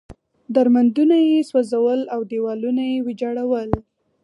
درمندونه یې سوځول او دېوالونه یې ویجاړول.